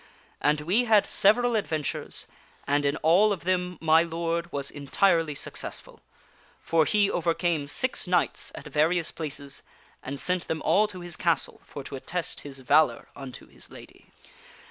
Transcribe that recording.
And we had several ad ventures, and in all of them my lord was entirely successful ; for he over came six knights at various places and sent them all to his castle for to attest his valor unto his lady.